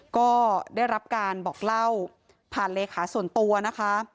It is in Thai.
ก็ได้รับการบอกเล่าผ่านเลขาส่วนตัวนะคะ